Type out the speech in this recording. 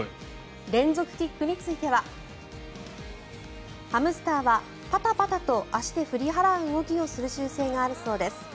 連続キックについてはハムスターはパタパタと足で振り払う動きをする習性があるそうです。